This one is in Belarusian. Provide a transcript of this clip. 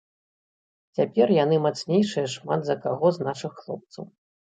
Цяпер яны мацнейшыя шмат за каго з нашых хлопцаў.